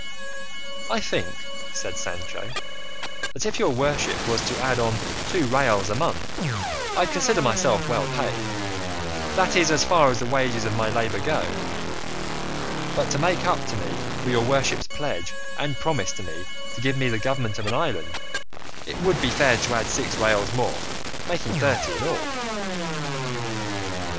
"I think," said Sancho, "that if your worship was to add on two reals a month I'd consider myself well paid; that is, as far as the wages of my labour go; but to make up to me for your worship's pledge and promise to me to give me the government of an island, it would be fair to add six reals more, making thirty in all."